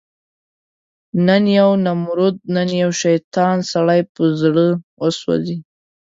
نن یو نمرود، نن یو شیطان، سړی په زړه وسوځي